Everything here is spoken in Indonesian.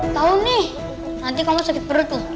tau nih nanti kamu sakit perut tuh